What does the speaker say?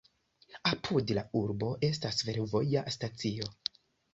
Apud la urbo estas fervoja stacio.